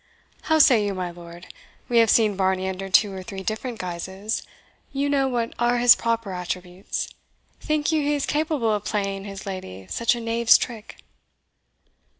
How say you, my lord? We have seen Varney under two or three different guises you know what are his proper attributes think you he is capable of playing his lady such a knave's trick?"